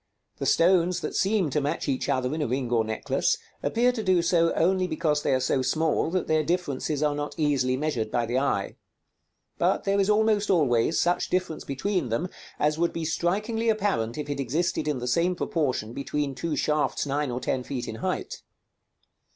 The stones that seem to match each other in a ring or necklace, appear to do so only because they are so small that their differences are not easily measured by the eye; but there is almost always such difference between them as would be strikingly apparent if it existed in the same proportion between two shafts nine or ten feet in height.